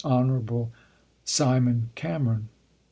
Hon. Simon Cameron.